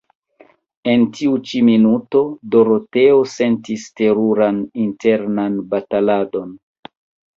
En tiu ĉi minuto Doroteo sentis teruran internan bataladon.